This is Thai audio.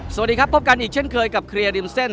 สวัสดีครับพบกันอีกเช่นเคยกับเคลียร์ริมเส้น